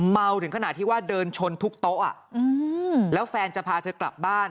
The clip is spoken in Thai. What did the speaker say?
มาถึงขนาดที่ว่าเดินชนทุกโต๊ะแล้วแฟนจะพาเธอกลับบ้าน